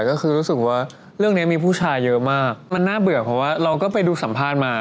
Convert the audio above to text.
ก็คือรู้สึกว่าเรื่องนี้มีผู้ชายเยอะมากมันน่าเบื่อเพราะว่าเราก็ไปดูสัมภาษณ์มา